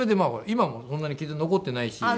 今もそんなに傷残ってないし。